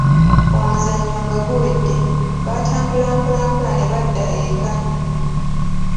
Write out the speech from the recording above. Omuzannyo nga guwedde, baatambula mpolamola ne badda eka.